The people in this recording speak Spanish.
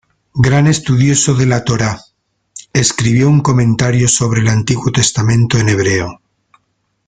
Gran estudioso de la Torá, escribió un comentario sobre el Antiguo Testamento en hebreo.